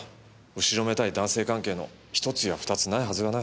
後ろめたい男性関係の１つや２つないはずがない。